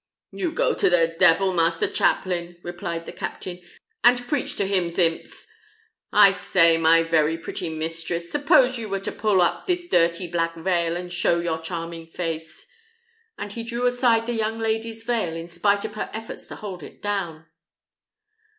"You go to the debil, master chaplain," replied the captain, "and preach to him's imps! I say, my very pretty mistress, suppose you were to pull up this dirty black veil, and show your charming face;" and he drew aside the young lady's veil in spite of her efforts to hold it down.